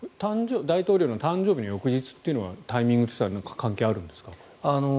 大統領の誕生日の翌日というのはタイミングとしては何か関係あるんですか？